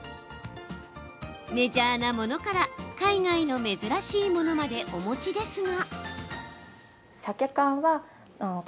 メジャーなものから海外の珍しいものまでお持ちですが。